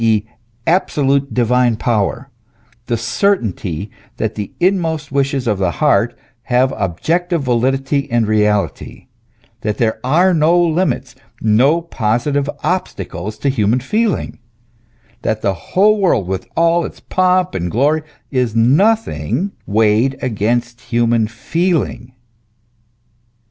e., absolute divine power, the certainty that the inmost wishes of the heart have objective validity and reality, that there are 110 limits, no positive obstacles to human feeling, that the whole world, with all its pomp and glory, is nothing weighed against human feeling.